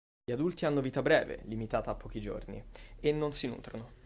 Gli adulti hanno vita breve, limitata a pochi giorni, e non si nutrono.